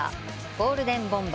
ゴールデンボンバー。